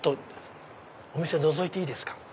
お店のぞいていいですか？